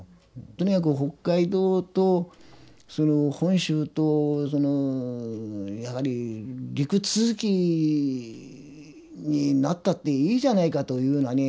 とにかく北海道とその本州とそのやはり陸続きになったっていいじゃないかというようなね。